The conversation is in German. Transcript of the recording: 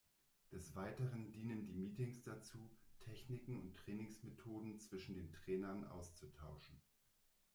Des Weiteren dienen die Meetings dazu, Techniken und Trainingsmethoden zwischen den Trainern auszutauschen.